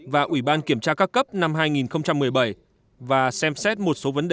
và ủy ban kiểm tra các cấp năm hai nghìn một mươi bảy và xem xét một số vấn đề